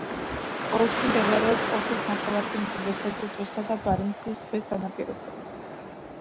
ოლქი მდებარეობს კოლის ნახევარკუნძულზე, თეთრი ზღვისა და ბარენცის ზღვის სანაპიროზე.